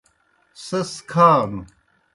سیْس کھانوْ۔